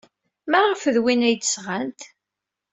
Maɣef d win ay d-sɣant?